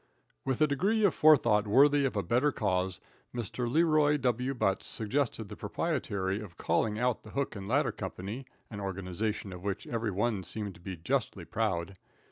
With a degree of forethought worthy of a better cause, Mr. Leroy W. Butts suggested the propriety of calling out the hook and ladder company, an organization of which every one seemed to be justly proud.